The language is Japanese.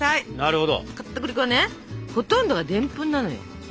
ほとんどがでんぷんなのよ。